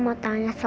meberhas maka eher